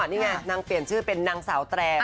นี่ไงนางเปลี่ยนชื่อเป็นนางสาวแตร